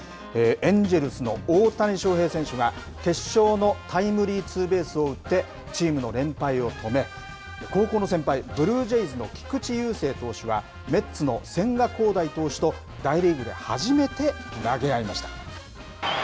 エンジェルスの大谷翔平選手が決勝のタイムリーツーベースを打ってチームの連敗を止め、高校の先輩、ブルージェイズの菊池雄星投手はメッツの千賀滉大投手と大リーグで初めて投げ合いました。